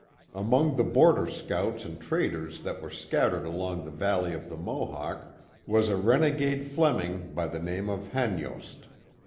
Among the border scouts and traders that were scattered along the valley of the Mohawk was a renegade Fleming by the name of Hanyost.